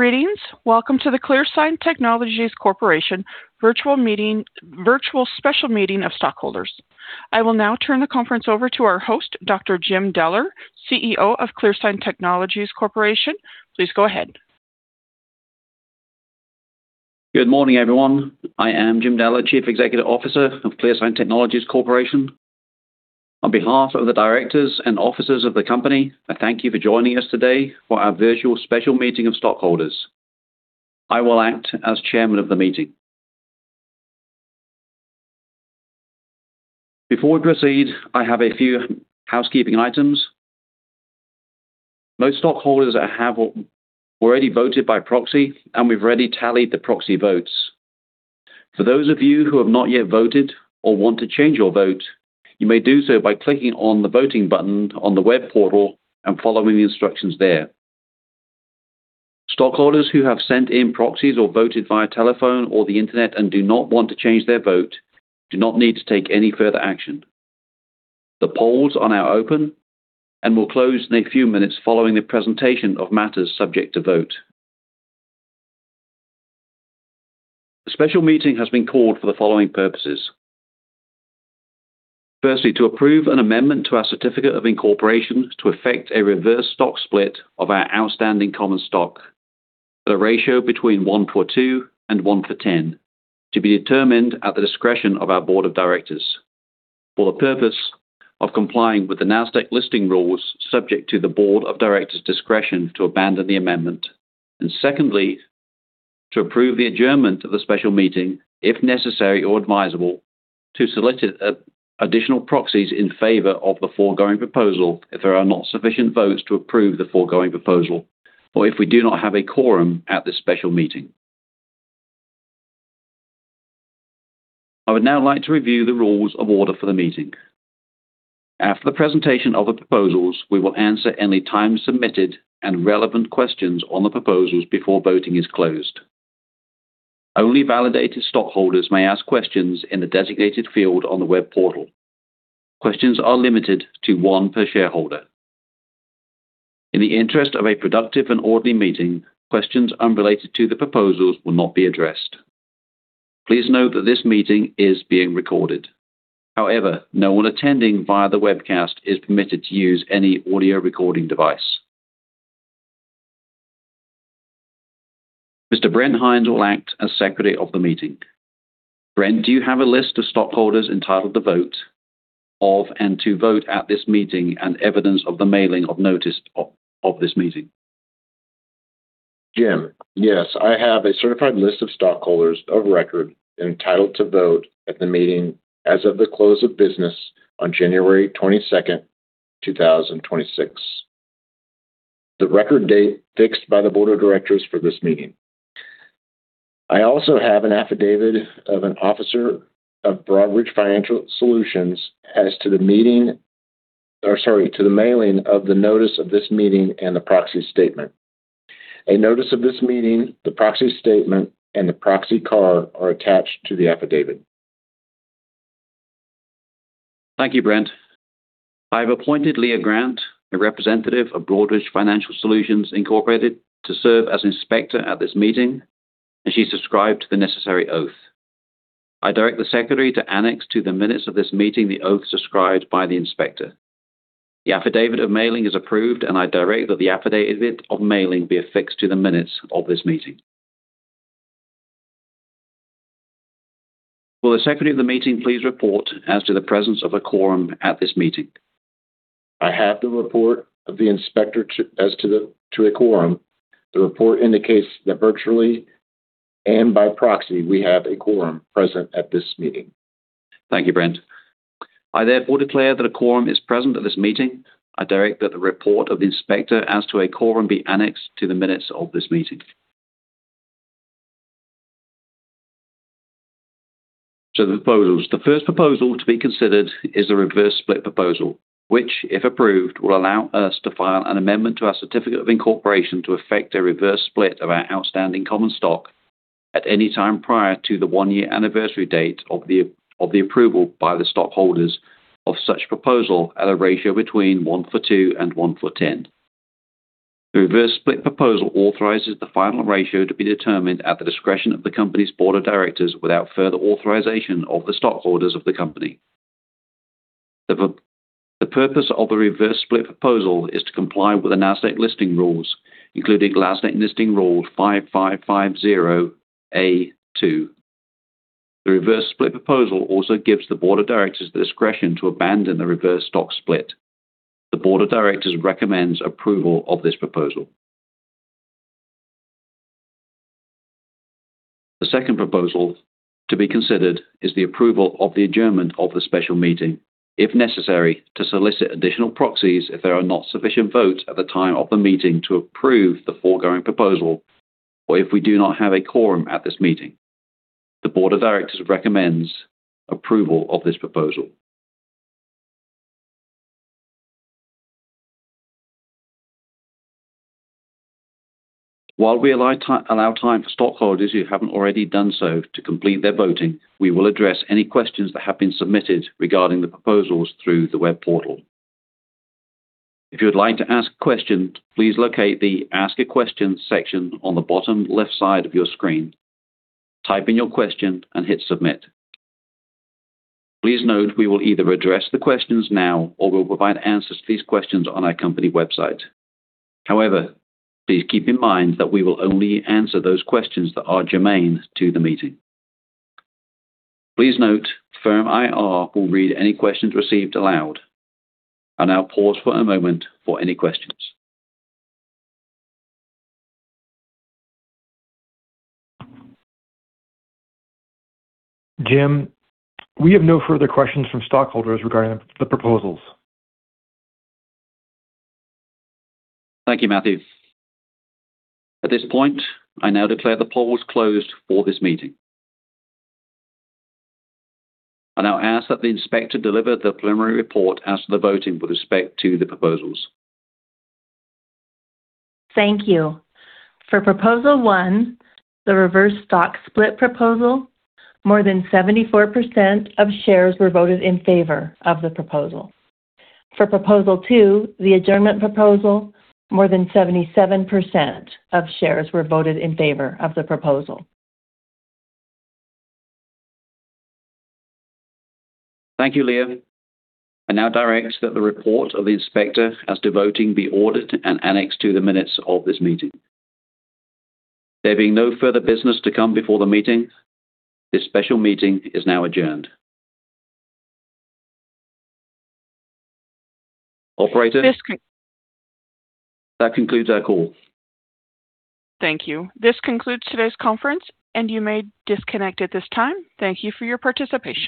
Greetings. Welcome to the ClearSign Technologies Corporation virtual meeting, virtual special meeting of stockholders. I will now turn the conference over to our host, Dr. Jim Deller, CEO of ClearSign Technologies Corporation. Please go ahead. Good morning, everyone. I am Jim Deller, Chief Executive Officer of ClearSign Technologies Corporation. On behalf of the directors and officers of the company, I thank you for joining us today for our virtual special meeting of stockholders. I will act as Chairman of the meeting. Before we proceed, I have a few housekeeping items. Most stockholders have already voted by proxy, and we've already tallied the proxy votes. For those of you who have not yet voted or want to change your vote, you may do so by clicking on the voting button on the web portal and following the instructions there. Stockholders who have sent in proxies or voted via telephone or the internet and do not want to change their vote, do not need to take any further action. The polls are now open and will close in a few minutes following the presentation of matters subject to vote. The special meeting has been called for the following purposes. Firstly, to approve an amendment to our certificate of incorporation to effect a reverse stock split of our outstanding common stock at a ratio between 1 for 2 and 1 for 10, to be determined at the discretion of our board of directors. For the purpose of complying with the Nasdaq listing rules, subject to the board of directors' discretion to abandon the amendment. Secondly, to approve the adjournment of the special meeting, if necessary or advisable, to solicit additional proxies in favor of the foregoing proposal, if there are not sufficient votes to approve the foregoing proposal, or if we do not have a quorum at this special meeting. I would now like to review the rules of order for the meeting. After the presentation of the proposals, we will answer any time submitted and relevant questions on the proposals before voting is closed. Only validated stockholders may ask questions in the designated field on the web portal. Questions are limited to one per shareholder. In the interest of a productive and orderly meeting, questions unrelated to the proposals will not be addressed. Please note that this meeting is being recorded. However, no one attending via the webcast is permitted to use any audio recording device. Mr. Brent Hinds will act as Secretary of the meeting. Brent, do you have a list of stockholders entitled to vote at this meeting and evidence of the mailing of notice of this meeting? Jim, yes, I have a certified list of stockholders of record entitled to vote at the meeting as of the close of business on January 22nd, 2026. The record date fixed by the board of directors for this meeting. I also have an affidavit of an officer of Broadridge Financial Solutions to the mailing of the notice of this meeting and the proxy statement. A notice of this meeting, the proxy statement, and the proxy card are attached to the affidavit. Thank you, Brent. I have appointed Leah Grant, a representative of Broadridge Financial Solutions Incorporated, to serve as inspector at this meeting, and she subscribed to the necessary oath. I direct the Secretary to annex to the minutes of this meeting, the oath subscribed by the inspector. The affidavit of mailing is approved, and I direct that the affidavit of mailing be affixed to the minutes of this meeting. Will the Secretary of the meeting please report as to the presence of a quorum at this meeting? I have the report of the inspector to a quorum. The report indicates that virtually and by proxy, we have a quorum present at this meeting. Thank you, Brent. I therefore declare that a quorum is present at this meeting. I direct that the report of the inspector as to a quorum be annexed to the minutes of this meeting. The proposals. The first proposal to be considered is the reverse split proposal, which, if approved, will allow us to file an amendment to our certificate of incorporation to effect a reverse split of our outstanding common stock at any time prior to the one-year anniversary date of the approval by the stockholders of such proposal at a ratio between 1 for 2 and 1 for 10. The reverse split proposal authorizes the final ratio to be determined at the discretion of the company's board of directors without further authorization of the stockholders of the company. The purpose of the reverse split proposal is to comply with the Nasdaq listing rules, including Nasdaq Listing Rule 5550(a)(2). The reverse split proposal also gives the board of directors the discretion to abandon the reverse stock split. The board of directors recommends approval of this proposal. The second proposal to be considered is the approval of the adjournment of the special meeting, if necessary, to solicit additional proxies if there are not sufficient votes at the time of the meeting to approve the foregoing proposal, or if we do not have a quorum at this meeting. The board of directors recommends approval of this proposal. While we allow time for stockholders who haven't already done so to complete their voting, we will address any questions that have been submitted regarding the proposals through the web portal. If you would like to ask a question, please locate the Ask a Question section on the bottom left side of your screen. Type in your question and hit Submit. Please note, we will either address the questions now or we'll provide answers to these questions on our company website. However, please keep in mind that we will only answer those questions that are germane to the meeting. Please note, Firm IR will read any questions received aloud. I'll now pause for a moment for any questions. Jim, we have no further questions from stockholders regarding the proposals. Thank you, Matthew. At this point, I now declare the polls closed for this meeting. I now ask that the inspector deliver the preliminary report as to the voting with respect to the proposals. Thank you. For proposal 1, the reverse stock split proposal, more than 74% of shares were voted in favor of the proposal. For proposal 2, the adjournment proposal, more than 77% of shares were voted in favor of the proposal. Thank you, Leah. I now direct that the report of the inspector as to voting be ordered and annexed to the minutes of this meeting. There being no further business to come before the meeting, this special meeting is now adjourned. Operator. This con- That concludes our call. Thank you. This concludes today's conference, and you may disconnect at this time. Thank you for your participation.